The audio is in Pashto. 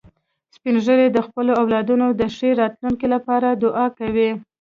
سپین ږیری د خپلو اولادونو د ښې راتلونکې لپاره دعا کوي